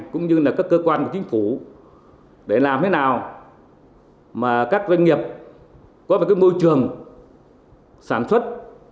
cũng như là các cơ quan của chính phủ để làm thế nào mà các doanh nghiệp có một môi trường sản xuất